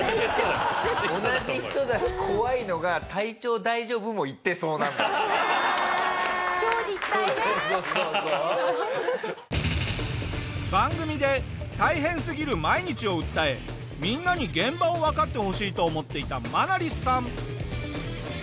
同じ人だし怖いのが番組で大変すぎる毎日を訴えみんなに現場をわかってほしいと思っていたマナリスさん。